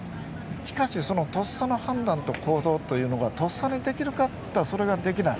しかし、そのとっさの判断と行動というのはとっさにできるかといったらそれができない。